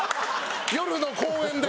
夜の公園で。